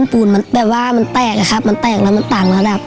ปูนมันแบบว่ามันแตกอะครับมันแตกแล้วมันต่างระดับ